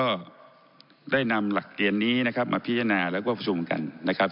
ก็ได้นำหลักเกณฑ์นี้นะครับมาพิจารณาแล้วก็ประชุมกันนะครับ